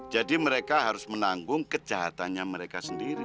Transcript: jadi mereka harus menanggung kejahatannya mereka sendiri